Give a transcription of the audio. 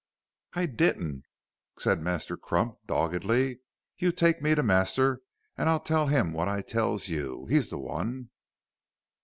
"I didn't," said Master Clump, doggedly; "you take me to master, and I'll tell him what I tells you. He's the one."